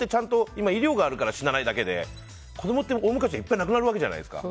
今は医療があるから死なないだけで子供って大昔は、いっぱい亡くなるわけじゃないですか。